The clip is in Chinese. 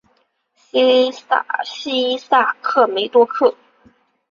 西萨克梅多克。